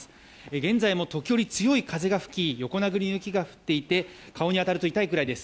現在も時折、強い風が吹き横殴りの雪が降っていて顔に当たると痛いぐらいです。